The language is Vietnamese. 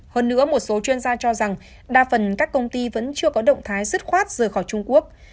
hơn nữa một số chuyên gia cho rằng đa phần các công ty vẫn chưa có động thái dứt khoát rời khỏi trung quốc